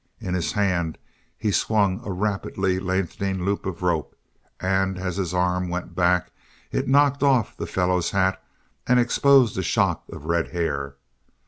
In his hand he swung a rapidly lengthening loop of rope and as his arm went back it knocked off the fellow's hat and exposed a shock of red hair.